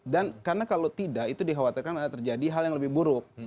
dan karena kalau tidak itu dikhawatirkan terjadi hal yang lebih buruk